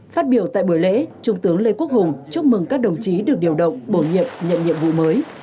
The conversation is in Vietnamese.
phát biểu tại buổi lễ trung tướng lê quốc hùng chúc mừng các đồng chí được điều động bổ nhiệm nhận nhiệm vụ mới